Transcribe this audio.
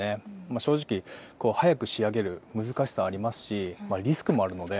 正直、早く仕上げる難しさはありますしリスクもあるので。